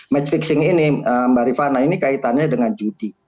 match fixing ini mbak rifana ini kaitannya dengan judi